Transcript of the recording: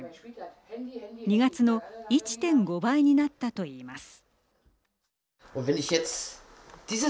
２月の１．５倍になったといいます。